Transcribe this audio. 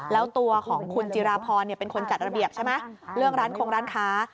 แล้วตัวของคุณจิราพรเป็นคนจัดระเบียบใช่ไหมเรื่องร้านคงร้านค้า